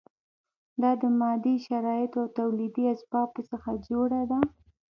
دا د مادي شرایطو او تولیدي اسبابو څخه جوړه ده.